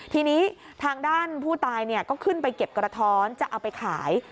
ทีนี้ทางด้านผู้ตายก็ขึ้นไปเก็บกระท้อนจะเอาไปขาย